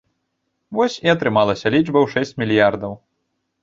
Вось і атрымалася лічба ў шэсць мільярдаў.